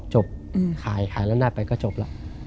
ขายขายละนาดไปก็จบแล้ว